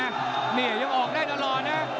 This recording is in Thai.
อย่างนี้ออกได้ตลอดนะ